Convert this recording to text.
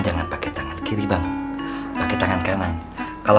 jangan lupa membaca ayat al basmala